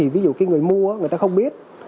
ví dụ người mua người ta không biết